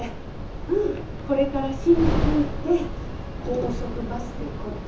うんこれから新宿行って高速バスでこっちに戻るって。